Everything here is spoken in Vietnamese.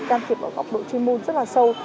đang thiệp vào góc độ chuyên môn rất là sâu